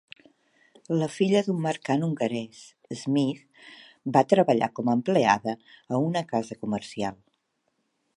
La filla d'un mercant hongarès, Smith va treballar com a empleada a una casa comercial.